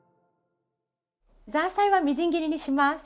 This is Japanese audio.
ザーサイはみじん切りにします。